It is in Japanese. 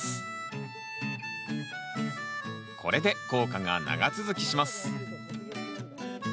これで効果が長続きします。